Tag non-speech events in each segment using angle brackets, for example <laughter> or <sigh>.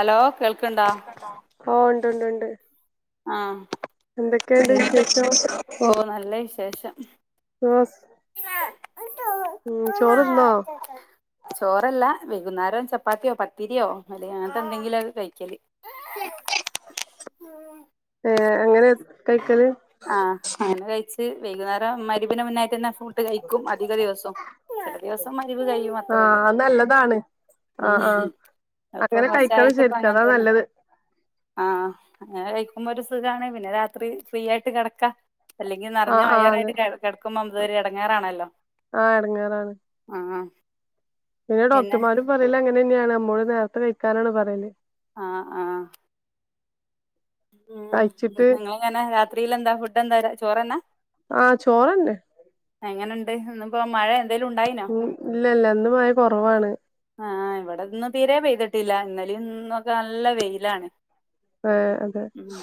Hello കേൾ ക്കണ്ട ഓ ഉണ്ട് ഉണ്ട് ഉണ്ട് ആ എന്തൊക്കെയുണ്ട് വിശേഷം പി ഓ നല്ല വിശേ ശേഷം <unintelligible> <unintelligible> ഉ ചോറ്ന്നോ വെകുന്നേരം ചപ്പാത്തിയോ പത്തിരിയോ അങ്ങനത്തെ എന്തങ്കില കഴിക്കല് ഏ അങ്ങനെ കൈക്കല് ആ അങ്ങനെ കഴി ച്ച് വൈകുന്നേരം മഗ്‌രിബ്ന് മുന്നായിട്ട് ഫുഡ് കഴിക്കും അധിക ദിവസം അ ദിവസം മഗ്‌രിബ് കഴും അത്രയാണ് ആഹ് അത് നല്ലതാണ് ഉ ആഹ് ആഹ് അപ്പൊ അങ്ങനെ കഴിക്കണം കുറച്ചായിട്ടിപ്പം ശരിക്കും അങ്ങനെ അതാ തന്നെ നല്ലത് ആ അങ്ങനെ കഴിക്കുമ്പോ ഒരു സുഗാണ് പിന്നെ രാത്രി ഫ്രീ ആയിട്ട് കിടക്ക അല്ലെങ്കില് നിറഞ്ഞ ആഹ് ആഹ് അതെ വയാറായിട്ട് കെട കിടക്കുമ്പോ നമുക്ക് ഒരു എടങ്ങാറാണല്ലോ ആഹ് എടങ്ങേറാണ് ആ പിന്നെ ഡോക്ടർമാരും പറയല് അങ്ങനെ തന്നെയാണ് നമ്മ മ്മളോട് നേരത്തെ കഴിക്കാനാണ് പറയല് ആ ആ ഉം കഴിച്ചിട്ട് നിങ്ങളങ്ങനെ രാത്രിൽ എന്താ ഫുഡ് എന്താ രാത് ചോറന്നാ ആ ചോറ്ണ്ട് എങ്ങനുണ്ട് ഇന്നുപ്പോ മഴ എന്തേലും ഉണ്ടായിനോ? ഉം ഇല്ല ഇല്ല ഇന്ന് മഴ കൊറവാണ് ആഹ് ഇവിടെ ഇന്നും തീരെ പെയ്തിട്ടില്ല ഇന്നലും ഇന്നൊക്കെ നല്ല വെയിലാണ് ആ അതെ ഉം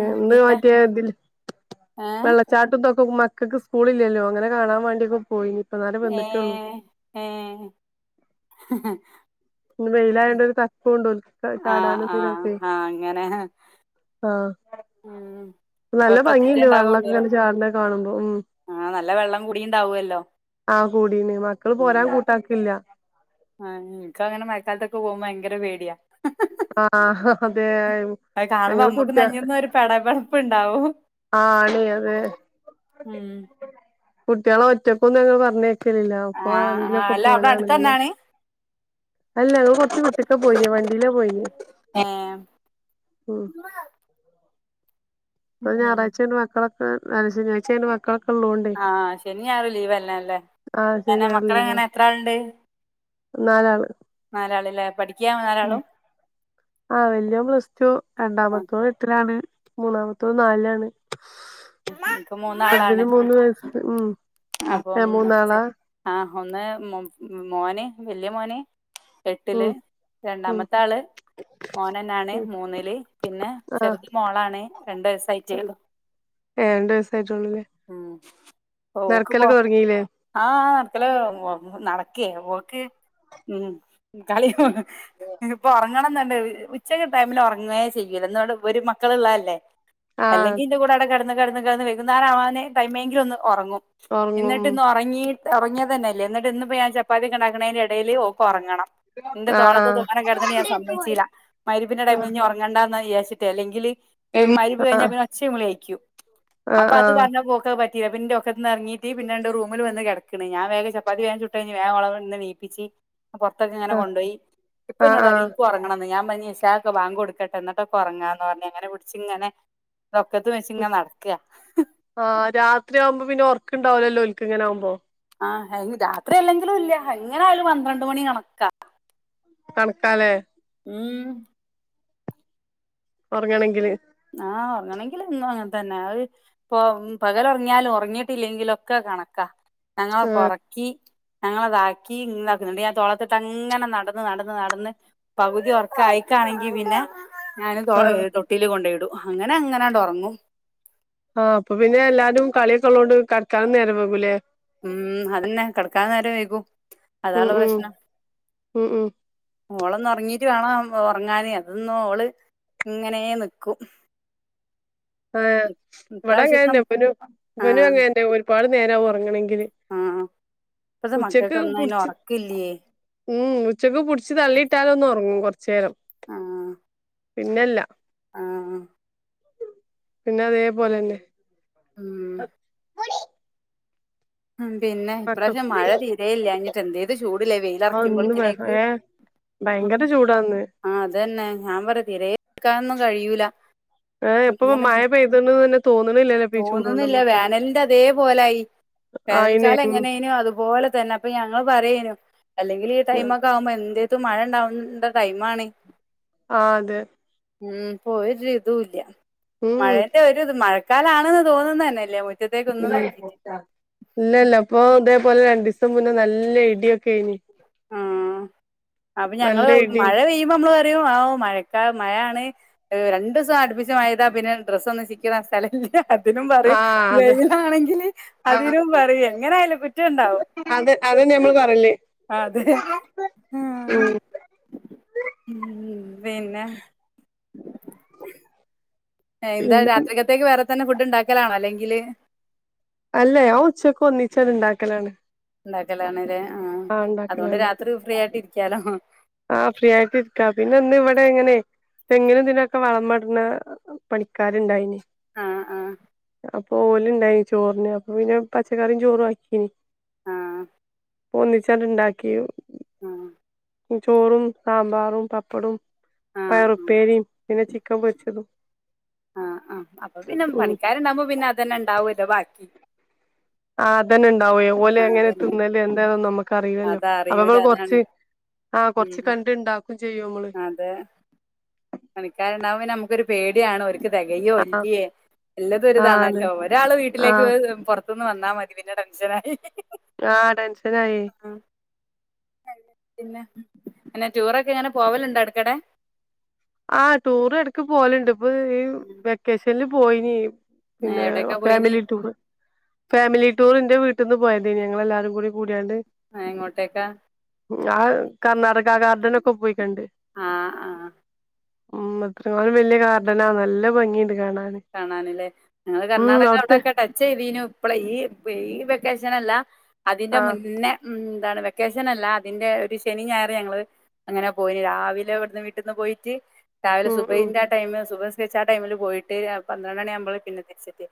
ആഹ് ഇന്ന് പിന്നെ മറ്റേ ഇതില്ലെ ഏഹ് വെള്ള ചാട്ട ഇതൊക്ക ഉമ് ക്കൾക്ക് സ്കൂളിലല്ലോ അങ്ങനെ കാണാൻ വേണ്ടി ഒക്ക പോയിനി ഇപ്പ നേരം ഏ വന്നിട്ടേള്ളൂ ഏ ഇന്ന് വെയിലായോണ്ട് ഒരു തക്കോണ്ടെ ഒല്ക്ക് ആഹ് ചാടാനും ആഹ് ഈനൊക്കെ ആഹ് അങ്ങനെ ആഹ് ഉം നല്ല ഭംഗിയുണ്ട് ഉണ്ടാവുള്ളൂല്ലേ വെള്ളമൊക്കെ ചാടിനെ കാണുമ്പോ ഉം ആഹ് നല്ല വെള്ളം കൂടിണ്ടാവുല്ലോ ആ കൂടീണ് മക്കള് പോരാൻ കൂട്ടാക്കല്ല ആ ഇക്ക് അങ്ങനെ മഴക്കാലത്തൊക്കെ പോകുമ്പോ ഭയങ്കര പേടിയാ ആ അതെ അത് കാണുമ്പോ ഞങ്ങള് അമ്മക്ക് നെഞ്ഞത്ത്ന്നൊരുപെടപടപ്പ് ഇണ്ടാവും ആ ലേ അതെ ഉം കുട്ടിളെ ഒറ്റക്കൊന്നു അങ്ങട് പറഞ്ഞയ് ക്കലില്ലാ അപ്പൊ ആഹ് ആരെങ്കിലും ആഹ് ഒക്കെ അല്ല അവിടെ പോവലാണ് ങ്ങനെ അടുത്തന്നാണ് അല്ല അങ്ങള് കൊർച്ച് വിട്ട്ക്കാ പോയിനിയെ വൺ ലാ പോയ്നിയെ ഏഹ് പ്പ ഞാറായ്ച്ച ആയോണ്ട് മക്കളൊക്ക് ആ അല്ല ശനിയാഴ്ച്ച അയോണ്ട് മക്ക് ആ ശനി ഞായറും ലീവല്ലേ നല്ലെ ആഹ് ശനി ആന്നെ ഞായർ മക്കള് ലീവാ എങ്ങനെ എത്ര ആള്ണ്ട് നാലാള് നാലാള് ല്ലേ പഠിക് ഉം ആ വെല്ല്യോൻ പ്ലസ്റ്റു ആ, രണ്ടാമത്തോൻ എട്ട്ലാണ് മൂന്നാമത്തോൻ നാലിലാണ് എനിക്ക് മൂന്നാളാണ് ചെറുതിന് മൂന്ന് വയസ്സ് ഉം ഏ അപ്പം മൂന്നാളാ ആ ഒന്ന് മോ മോന് വെല്ല്യ മോന് ഉം എട്ടില് ഉം രണ്ടാമത്തെ ആള് മോനെന്നേ ആണ് ഉം മൂന്നില് പിന്നെ ആഹ് ചെറുത് മോളാണ് രണ്ട് വയസ്സായിട്ടേയുള്ളൂ ഏ രണ്ട് വയസ്സായിട്ടുള്ളൂല്ലേ ഉം ഓക്ക് ഇപ്പോ നടക്കലൊക്കെ തൊടങ്ങീല്ലേ ആ നടക്കലൊക്കെ തുടങ്ങി നടക്കെ ഓക്ക് ഉം കളി ഇന്നിപ്പോ ഉറ ങ്ങണോന്നുണ്ട് ഉച്ചക്ക് ടൈമിൽ ഉറങ്ങുവേ ചെയ്യൂല <unintelligible> ഇവര് മക്കള് ഉള്ളതല്ലേ ആഹ് അല്ലെങ്കി എന്റെ കൂടെ അവിടെ കിടന്ന് കെട്ന്ന് കെട്ന്ന് വൈകുന്നെരാവാനെ ടൈമെങ്കിലും ഒന്ന് ഒറങ്ങു ഒറങ്ങും എന്നിട്ട് ഉം ഇന്ന് ഒർങ്ങീ ന്ന് ഒർങ്ങിയെതെന്നെ ഇല്ല്യ ഇന്നെട്ട് ഇന്ന് ഇപ്പം ഞാൻ ചപ്പാത്തി ഒക്കെ ഇണ്ടാക്ക്ണെന്റെ എടെല് ഓക്ക് ഒർങ്ങെണം ഇന്റെ തോളത്ത് ആഹ് തോനെ കെട്ന്ന്ട്ട് ഞാൻ സമ്മെയ്ച്ചീലാ മഹ്‌രിബിന്റെ ടൈമ് ആഹ് ഇഞ് ഒർങ്ങെണ്ടാന്നായ് ഈറട്ച്ച്ട്ടെയ് അല്ലെങ്കിൽ അയ് മഹ്‌രിബ് ആഹ് കഴിഞ്ഞാ പിന്നെ ഒച്ചിം വുളം ആയിക്യും ആഹ് അപ്പ അത് ആഹ് പർഞ്ഞെപ്പം ഓക്ക് അയ് പറ്റ് റ്റീലാ അപ്പ ഇന്റെ ഒക്കെ ന്ന് അറ്ങ്ങീറ്റ് പിന്നെ ഇണ്ട്റൂമിൽ വെന്ന് കെട് ക്ക്ണ് ഞാൻ വേഗം ചപ്പാത്തി വേം ചുട്ട് കഴിഞ്ഞ് വേം ഓളെ അയുട്ന്ന് നീപ്പിച്ച് പൊർത്തൊക്കെ ഇങ്ങെനെ ആഹ് കൊണ്ടോയി ഇപ്പം ആഹ് ഇന്നോട് പറിം ആഹ് ഇൻക് ഒർങ്ങെണം ഞാം പർഞ്ഞ് ഇഞ് ഇശാ ഒക്കൊ ബാങ്ക് കൊട്ക്കെട്ടെ ഇന്നൊട്ടൊക്കെ ഒർങ്ങാന്ന് പർഞ്ഞ് അങ്ങനെ പുട്ച്ച് ഇങ്ങെനെ ത് ഒക്കെത്ത് വെച്ച് ഇങ്ങെനെ നട് ആഹ് രാത്രി ആവുമ്പോ പിന്നെ ഓർക്ക് ഇണ്ടാവ്‌ലല്ലോ ഓൽക്ക് ഇങ്ങെനെ ആവുമ്പോ ആഹ് അയിന് രാത്രി അല്ലെങ്കിലും ഇല്ല എങ്ങനെ ആയാലും പന്ത്രണ്ട് മണി കണ്ക്കാ കണക്കാലേ ഉം ഉറങ്ങണെങ്കില് ആഹ് ഉറങ്ങണെങ്കിൽ ന്നും അങ്ങനതന്നെ അത് ഇപ്പൊ പകലൊറങ്ങിയാൽ ഒറങ്ങിട്ടില്ലെങ്കിലൊക്കെ കണക്കാ ആഹ് ഞങ്ങലൊക്കൊറക്കി ഞങ്ങളതാക്കി ഇങ്ങാക്കുന്നുണ്ട് ഞാൻ തോളത്തിട്ട് അങ്ങനെ നടന്ന് നടന്ന് നടന്ന് പകുതി ഒറക്കയിക്കാണെങ്കി പിന്നെ ഞാനും തൊ ആഹ് തൊട്ടില് കൊണ്ടോയിട് അങ്ങനെ അങ്ങനാണ്ടോറങ്ങും ആഹ് അപ്പൊ പിന്നെ എല്ലാരും കളിയൊക്കെ ഉള്ളതോണ്ട് കട്ക്കാനും നേരം വെകൂലേ ഉം അതന്നെ കെടക്കാൻ നേരം വൈകും ഉം അതളൊ ഉം പ്രശ്നം ഉം ഉം ഓളൊന്നൊറങ്ങി റ്റ് വേണം ഒറങ്ങാനെ അതന്നൊള് ഇങ്ങനെ നിക്കും ആ് ഇവിടെ ഇപ്രാവശ്യത്തെ ങ്ങന്നെ ഇവനു ഇനു ആഹ് അങ്ങനന്നെ ഒരുപാട് നേര ഒറങ്ങണെങ്കില് ആഹ് ഇപ്പത്തെ ഉച്ചക്ക് മക്കൾക്കൊന്നും അതിന് പിടിച്ച് ഉറക്കില്ലേ ഉം ഉച്ചക്ക് പിടിച്ച് തള്ളിയിട്ടാലൊന്നൊറങ്ങും കൊറച്ചെരം ആഹ് പിന്നല്ല ആഹ് പിന്നെ അതേ പോലെന്നെ ഉം ഉം പിന്നെ മക്കൾ ഇപ്രാശ്യം മഴ തീരയില്ലഞ്ഞിട്ട് എന്തേതു ചൂടില്ലേ ആഹ് ഇന്ന് വേ വെയിലറക്കുമ്പോള്ക്കിനേക്ക് ഏഹ് ഭയങ്കര ചൂടാന്ന് ആഹ് അതന്നെ ഞാൻ പറ തിരെ കാന്നു കഴിയൂല. ഏഹ് ഇപ്പൊ ഇങ്ങനെ മഴ പെയ്തണ്ണൂന്ന് തന്നെ തോന്നണില്ലല്ലേ ഇപ്പ ഈ ചൂടോണ്ട് തോന്നുന്നില്ല നമ്മക്ക്. വേനലിന്റെ അതേപോലായി ആയിനെ വേനൽക്കാലം ഉം എങ്ങനേനും അതുപോലെ തന്നെ അപ്പൊ ഞങ്ങള് പറയേനു അല്ലെങ്കില് ഈ ടൈമൊക്കെ ആവുമ്പോ എന്ത് ത്ത് മഴ ഇണ്ടാവണ്ടെ ടൈമാണ്. ആഹ് അതെ ഉം ഇപ്പോ ഒരു ഇതൂല്ല. ഉം മഴേൻ്റെ ഒരു ഇതും മഴ ക്കാലാണ്ന്ന് തോന്നുതെന്നെയില്ല മുറ്റ് മുറ്റത്തേക്ക് ഒന്നും നോക്കീറ്റ്. ഇല്ല ഇല്ല ഇപ്പൊ <unintelligible> അതേപോലെ രണ്ടീസം മുന്നെ നല്ല ഇടിയൊക്കെ ഏനി. ആഹ് അപ്പൊ നല്ല ഞങ്ങള് ഇടി മഴ പെയ്യുമ്പോ നമ്മള് പറയും ആവൂ മഴക്കാ മഴയാണ് രണ്ട് ദിവസം അടുപ്പിച്ച് മഴ പെയ്താ പിന്നെ ഡ്രസ്സ് ഒന്നും ചിക്കിടാൻ സ്ഥലല്ല അതിനും പറയും ആഹ് അതെ വെയിലാണെങ്കില് ആഹ് അതിനും പറയും എങ്ങനായാലും കുറ്റണ്ടാവും. അത് അതന്നെ നമ്മള് പറയല് അതെ ആഹ് ഹ ഉം മ്ഹ് പിന്ന എന്താ പിന്നെ രാത്രിരിക്കത്തേക്ക് വേറേ <unintelligible> ഫുഡ് ഉണ്ടാക്കലാണോ അല്ലെങ്കില് അല്ല ഞാൻ ഉച്ചക്ക് ഒന്നിച്ചങ്ങ് ഉണ്ടാക്കലാണ്. ഉണ്ടാക്കലാണ്. ല്ലേ ആഹ് അതുകൊണ്ട് ഇണ്ടാക്കലാണ് രാത്രി ഫ്രീ ആയിട്ട് ഇരിക്കാലോ ആഹ് ഫ്രീ ആയിട്ട് ഇരിക്കാം. പിന്നെ ഇന്ന് ഇവിടെ ഇങ്ങനെ തെങ്ങിനും പിന്നെക്കെ വളമിടണ് പണിക്കാരുണ്ടായിന്. ആഹ് ആഹ് ആഹ് പോലുണ്ടായി ചോറിന് അപ്പൊ പിന്നെ പച്ചക്കറിയും ചോറും ആക്കീ ആഹ് ഒന്നിച്ചങ്ങട് ഇണ്ടാക്കി ആഹ് ചോറും സാമ്പാറും പപ്പടും ആഹ് ആഹ് പയറുപ്പേരിയും പിന്നെ ചിക്കൻ പൊച്ചതും ആഹ് ആഹ്പ്പൊ പിന്നെ പണിക്കാാരണ്ടാക്പോ പിന്നെ അത്തന്നെ ഉണ്ടാവ ബാക്കി ആ അതന്നണ്ട് ഉണ്ടാവ ഓലെ ആഹ് അങ്ങനെ അതന്നെ തിുന്നല് എന്തായ നമുക്ക് അറല്ലല്ലോ അപ്പൊ അതറിയൂല ഇപ്പോള് അതാണ് കൊറച്ച് ആഹ കൊറച്ച് ഉം കണ്ട ഇണ്ടാക്കും ചെയ്യും നമ്മള് ാവി നുക്കൊ പടിയാണ്രിക്ക തികയോ ആഹ് വല്യേ ആഹ് അതെ എല്ലതുംരിതാണല്ലോ ഒരാള് വീട്ടിലേക്ക് ആഹ് പുറ ന്ന് വന്നാൽ മതി പിന്നെ ടെൻഷന ആായി ആഹ് ഡാൻ കായ പിന്നെ പിന്നെ ടൂറൊക്കെ എങ്ങനെ പോവലുണ്ടോ അടുക്കടെ ആഹ ടൂർ ഇടക്ക് പോലുണ്ട് അ വെക്കേഷനിൽ പോയിനി പിന്നെ എവിടേക്കാ പോയിനി ഫാമിലി ടൂർ ഫാമിലി ടൂർ എന്റെ വീട്ടിൽ നിന്ന് പോയത ഞെ എല്ലാരും കൂടി കൂടാണ്ട് ആ എങ്ങോട്ടേക്കാ ആഹ കർണാടക ഗാർഡൻ ഒക്കെ പോയിക്കണ്ട് ആഹ് ആഹ് ഉ്ത്ര വലിയ കാരണം അനാ നല്ല ഭംഗിയുണ്ട് കാണൻ കാണാനില്ലേ ഞങ്ങള് കർണാടക അവിടുത്തെ അവിടെക്കെ ടച്ച് ചെയ്തീനു ഇപ്പളെ ഈ ഈ ക്കേഷനല്ല. അതിന്റെ ആഹ് മുന്നേ ഉം അതാണ് വെക്കേഷൻ അല്ല അതിന്റെ ഒരു ശനി ഞായർ ഞങ്ങള് അങ്ങനെ പോയിന് രാവിലെ ഇവിടുന്ന് വീട്ടിൽന്ന് പോയിട്ട് രാവിലെ ഉം ഉം സുഭഹിന്റെ ന്റെ ആ ടൈമ സുബ വെച്ച ആ ടൈമില് പോയിട്ട് പന്ത്രണ്ട മണി ആകുമ്പോൾ പിന്നെ തിരിച്ചത്തി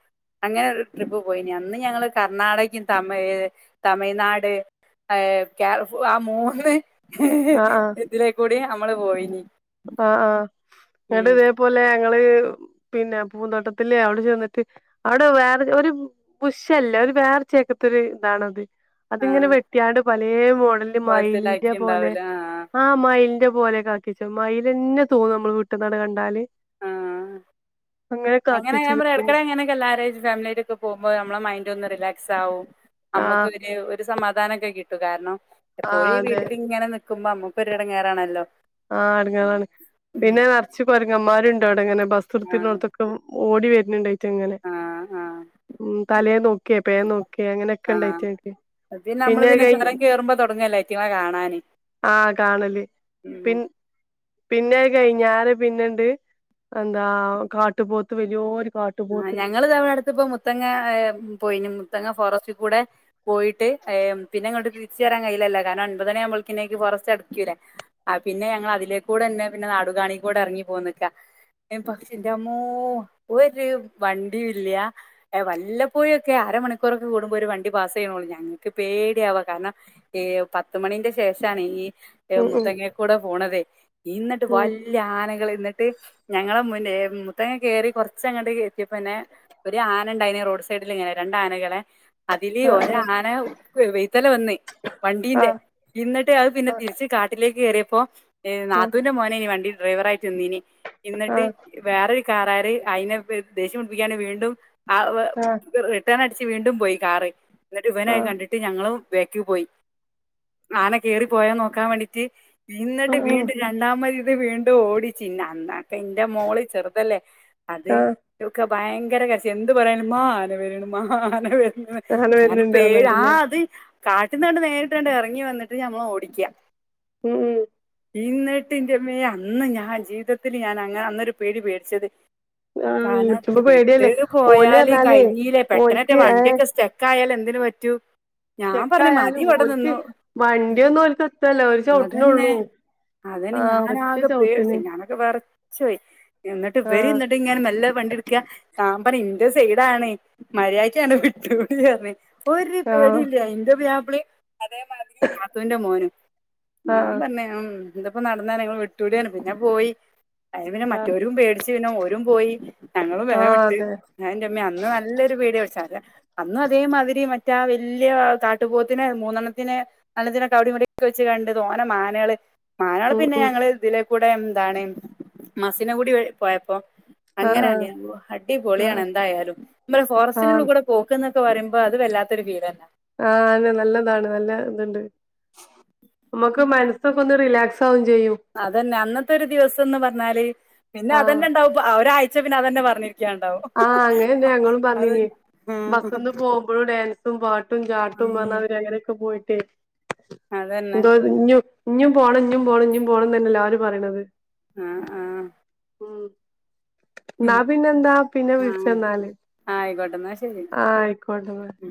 അങ്ങനെ ഒരു ട്രിപ്പ് പോയിനി അന്ന് ഞങ്ങള് കർണാടകയും തമിഴ തമിഴ്നാട് ആ മൂന്ന് ആഹ് ആഹ് ഇതിലേക്കൂടി നമ്മള് പോയിന് ആഹ് ആഹ ന്നട്ട് ഇതേപോലെ ഞങ്ങള് പിന്നെ പൂന്തോട്ടത്തില് അവിടെ ചെന്നിട്ട് അവിടെ വേറെ ഒരു പുശല്ല ഒരു വേറെ ചെക്കത്ത ഇതാണത് അതിങ്ങനെ ആഹ് വെട്ടിയാണ്ട് പ.. ലെ മോഡൽ മൈൽന്റെ പോലെ കോലത്തിലാക്കിണ്ടാവൂലേ ആഹ് ആ മയിൽ പോലെയാക്കിച്ചു മയിൽന്നെ തോന്നും നമ്മള് വീട്ട് ന്നാണ്ട് കണ്ടാല് ആ അങ്ങനെ ഞാൻ പറയാ ഇടക്കിടെ ഇങ്ങനൊക്കെ എല്ലാരും ആയിട്ട് ഫാമിലിയിയൊക്കെ ആയിട്ട് പോവുമ്പോ നമ്മളെ മൈന്റ് ഒന്ന് റിലാക്സ് ആകും നമ്മുക്ക് ആഹ് ഒരു ഒരു സമാധാനംക്കെ കി കാരണം ആഹ് എപ്പോഴേ അതെ വീട്ടില് ഇങ്ങനെ നി മ്പോ ഞമ്മക്കൊരു ഇടങ്ങേറാണാല്ലോ ആ അണുങ്ങളാണ് പിന്നെ നിറച്ച കൊരങ്ങമാരു അങ്ങനെ ബസ് ആഹ് നിർത്തിടുന്നൊടുത്ത് ഓടി വ എങ്ങനെണ്ട് ഇങ്ങനെ ആഹ് ഉ തലേ നോക്കിയ പേൻ ആഹ് നോക്കെ അങ്ങനെയൊക്കെ ആഹ് ഇണ്ടായിറ്റങ്ങൾക്ക് പിന്നെ നമ്മള് പിന്നെയ് പിന്നെ കയിഞ്ഞ ചൊരം കേറുമ്പോ തൊടങ്ങല്ലേ അയ്റ്റങ്ങളെ കാണാന് ആ കാണല് ഉം പിൻ പിന്നെ അതു കഴിഞ്ഞരെ പിന്നെണ്ട് എന്താ കാട്ടുപോത്ത് വല്യൊരു ആ ഞങ്ങള്ത വടെടുത്തു പ്പം. മുത്തങ്ങ പോയിന് മുത്തങ്ങ ഫോറസ്റ്റ കൂടെ പോയിട്ട് പിന്നെങ്ങട്ടു തിരിച്ചു പോരാൻ കയ്യിലല്ലോ കാരണം ഒൻപതണി ആവുമ്പോളക്കക്ക് ഫോറെസ്റ്റ് അടക്കൂലേ ആ പിന്നെ ഞങ്ങൾ അതിലേക്കൂടെ തന്നെ പിന്നെ നാട് കാണി കൂടെ ഇറങ്ങി പോന്നക്കാ പക്ഷന്റെ അമ്മോ ഒരു വണ്ടിയ ഇല്ല വല്ലപ്പോയൊക്കെ അരമണിക്കൂറൊക്കെ കൂടുമ്പോൾ ഒരു വണ്ടി പാസ് ചെയ്യണോള്ളൂ ഞങ്ങൾക്ക് പേടിയ ആവാ കാരണം ഈ പത്തുമണിന്റെ ശേഷമാണ് ഈ ഏ ഉം ഉം മുത്തങ്ങക്കൂടെ പോണതെ എന്നിട്ട് ഉം വല്ല ആനകളെ എന്നിട്ട് ഞങ്ങള മുന്നേ മുത്തങ്ങ കയറി കുറച്ച് കുറച്ച അങ്ങോട്ട് എത്തിയപ്പോ പിന്നെ ഒരു ആന ഉണ്ടായിനി റോഡ് സൈഡിൽ ഇങ്ങനെ രണ്ട ആനകളെ അതില് ഒ ആഹ് ആന വയ്തേലെ വന്നു വണ്ടീന്റെ ആഹ് ഇന്നിട്ട് അത് പിന്നെ തിരിച്ച് കാട്ടിലേക്ക് കേയറിയപ്പോ ഹ ആഹ് നാത്തുന്റെ മോനെ ഇനി വണ്ടി ഡ്രൈവർആയി ചെനിനി ആഹ് എന്നിട്ട് ആഹ് വേറെ കാറാര് അയ്നെ ദേഷ്യംടിപ്പികാന്ന് വീണ്ടും ആവ് ആഹ് റിട്ടേൺ ച്ച് വീണ്ടും പോയി കാറ് എന്നിട്ട് ഇവനായി ആഹ് കണ്ടിട്ട് ഞങ്ങളും ബേക്ക് പോയി ആനെ കേറി പോയാ നോക്കാൻ വേണ്ടീട്ട് എന്നന്നിട്ട് ആഹ് വീണ്ടും രണ്ടാമയ് <unintelligible> വീണ്ടും ഓടിച്ചിന്ന അന്നാക്കെ എന്റെ മോള് ചെറുതല്ലേ അതെ ആഹ് <unintelligible> ഭയങ്കര കരച്ചിൽ എന്ത് പറയാന മാ <unintelligible> മ് അങ്ങനെ വരുന്നുണ്ട് <unintelligible> ആഹ് പറഞ്ഞാണ്ടില്ലേ അത് കാട്ടിന്ന് കണ്ട് നേരിട്ട് കണ്ട് എറങ്ങി വന്നിട്ട് നമ്മള ഓടിക്കാ ഉം ഇന്നിട്ട് ഇന്റെമ്മേ അന്ന് ഞാൻ ജീവിതത്തിൽ ഞാൻ അങ്ങനെ അന്നൊരു പേടി പേടിച്ചത് ആഹ് വിളിച്ചുമ്പോ കാണാത്ത പെട്ട് പേടിയല്ലേ ഓല് പോയാല് പറഞ്ഞാലേ കയ്ഞ്ഞിലെ പെട്ടെന്നെറ്റെ ഓൽക്ക് വണ്ട്യെക്കെ സ്റ്റെക്കായാല് എ ന്തിന് പറ്റൂ ഞാൻ പറഞ്ഞു മതി ചെട്ടായാലും ഇവിടെ ഓൽക്ക് നിന്നു വണ്ട്യൊന്നും ഓൽകെത്തൊല്ല ഓര് അതന്നെ ചൗട്ടിനൊള്ളൂ അതന്നെ ആഹ് ഒറ്റ ചൗട്ടിന് ശയ് എന്നിട്ട് വരെന്നി മെല്ലെ വണ്ടിട്ക്കാ ഞാം പറ്യാ ഇന്റെ സൈഡാണ് മര്യായ്ക്കാണ്ട് വിട്ടൂടാ ർഞ്ഞ്. ഒര് ആഹ് പേടില്ല ഇന്റെ പുയാ <unintelligible> അതേമാതിരി നാത്തൂന്റെ മോനും ആഹ് തന്നെ ഉം എന്തപ്പ നടന്നെർഞ്ഞ് ഇങ്ങള് വിട്ടൂട്യർഞ്ഞ് പിന്നെ പോയി അഅ് പിന്നെ മറ്റൊരും പേട്ച്ച് പിന്നെ ഓ പോയി ഞങ്ങളും ആഹ് വേംവിട്ട് അതെ അഅ് ന്റെമ്മേ അന്ന് നല്ലൊരു പേടി <unintelligible> അന്നു അതേമാതിരി മറ്റേ ആ വെല്ല്യാ കാട്ടുപോത്തിനെ മൂന്നെണ്ണത്തിനെ <unintelligible> ല്ലത്തിനൊക്കെ അവടിം ഇവട്യൊക്കെ വെച്ച് കണ്ട് തോനെ മാനെള് മാനാള് ഉം പിന്നെ ഉം ഞങ്ങള് ഇതിലെ കൂടെ എന്താണ് മസിന കൂടി വഴി പോയപ്പോ അങ്ങനെ ആഹ് കണ്ടു ആഹ് ഞാൻ പോവാ അടിപൊളിയാണ് ആഹ് എന്തായാലും നമ്മള് ആഹ് ഫോറസ്റ്റിനുള്ളികൂടെ പോക്കും ന ക്ക് പറയുമ്പൊ അത് വല്ലാത്തൊരുഫീലന്ന ആഹ അണ് നല്ലതാണ് നല്ല ഇതുണ്ട് നമുക്ക് മനസ്സൊക്കെ ഒന്ന് റിലാ സാവുകേം അതന്നെ അന്നത്തെ ഒരു ദിവസംന്ന് പറഞ്ഞാല് പിന്നെ അതന്നെ ഉണ്ടാവും അ ഒരഴി ച്ച പിന്നെ അതന്നെ പറയും ആഹ അങ്ങനന്നെയാ ഞങ്ങളും പറഞ്ഞിനി ആഹ് ബസ്സന്ന് പോകുമ്പോഴും ഡാൻസും പാട്ടും ചാട്ടവും ന്ന് ഉം പറഞ്ഞാ അവര് അങ്ങനെയൊക്കെ പോയി ട്ടെ അതന്നെ <unintelligible> ഇഞ്ഞും പോണം ഇഞ്ഞും പോണം ഇഞ്ഞും പോണം തന്നെയല്ലേ എല്ലാരും പറയ്ണത് ആ ആ ന്നാ ഉം പിന്നെ എന്താ ആ വിൾച്ചന്നാല് ആയിക്കോട്ടെ എന്നാ ശരി ആ ആയിക്കോട്ടെ ന്നാ ഉം